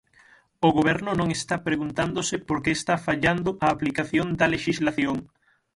O Goberno non está preguntándose por que está fallando a aplicación da lexislación.